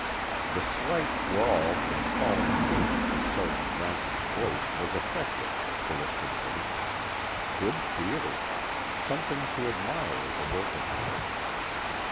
The slight drawl and falling cadence of Sergeant Rankin's voice was effective, Callista noted; good theater; something to admire as a work of art.